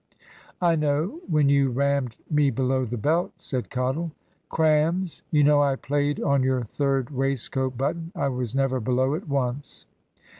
"I know, when you rammed me below the belt," said Cottle. "Crams. You know I played on your third waistcoat button. I was never below it once."